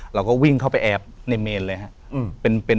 เราก็วิ่งเข้าไปแอบในเมนเลยครับ